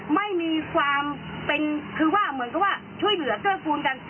ไม่มีความเป็นคือว่าเหมือนกับว่าช่วยเหลือเกื้อกูลกัน